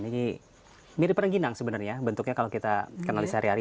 ini mirip rengginang sebenarnya bentuknya kalau kita kenali sehari hari